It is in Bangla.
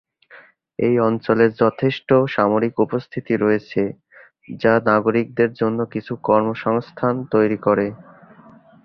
এই অঞ্চলে যথেষ্ট সামরিক উপস্থিতি রয়েছে, যা নাগরিকদের জন্য কিছু কর্মসংস্থান তৈরি করে।